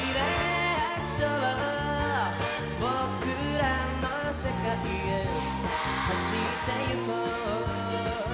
「僕らの世界へ走って行こう」